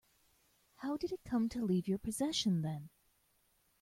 How did it come to leave your possession then?